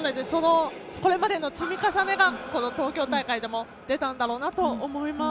これまでの積み重ねがこの東京大会でも出たんだろうなと思います。